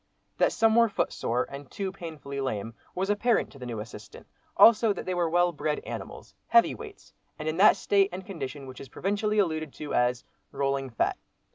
That some were footsore, and two painfully lame, was apparent to the new assistant, also that they were well bred animals, heavy weights, and in that state and condition which is provincially alluded to as "rolling fat."